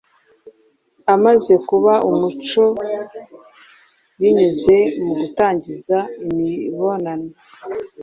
amaze kuba umuco binyuze mu gutangiza imibonano